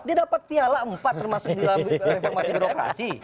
dia dapat piala empat termasuk di dalam reformasi birokrasi